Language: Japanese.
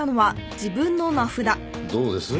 どうです？